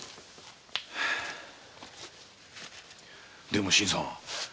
でも新さん